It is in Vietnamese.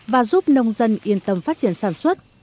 và giúp nông dân yên tâm phát triển sản xuất